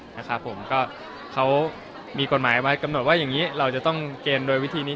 นะครับผมก็เขามีกฎหมายไว้กำหนดว่าอย่างนี้เราจะต้องเกมโดยวิธีนี้